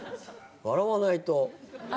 笑わないと。